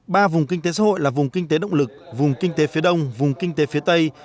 ba vùng kinh tế xã hội là vùng kinh tế động lực vùng kinh tế phía đông vùng kinh tế phía tây